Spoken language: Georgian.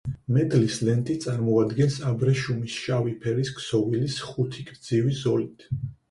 მედლის ლენტი წარმოადგენს აბრეშუმის შავი ფერის ქსოვილის, ხუთი გრძივი ზოლით.